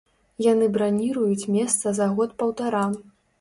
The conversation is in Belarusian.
Яны браніруюць месца за год-паўтара.